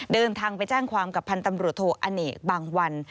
เดินทางไปแจ้งความกับพันธ์ตำรวจโทอเนกบางวัน